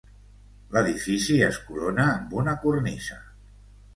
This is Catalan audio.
L'edifici es corona amb una cornisa.